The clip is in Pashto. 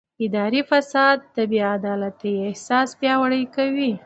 اداري فساد د بې عدالتۍ احساس پیاوړی کوي